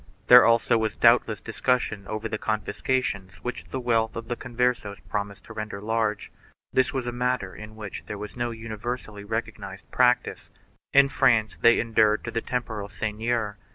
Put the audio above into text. There also was doubtless discussion over the confiscations which the wealth of the Converses promised to render large. This was a matter in which there was no universally recognized prac tice. In France they enured to the temporal seigneur.